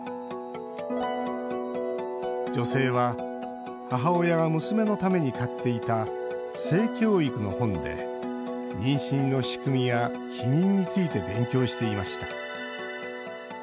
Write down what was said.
女性は母親が娘のために買っていた性教育の本で妊娠の仕組みや避妊について勉強していました。